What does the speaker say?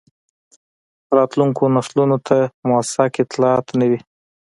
راتلونکو نسلونو ته موثق اطلاعات نه وي.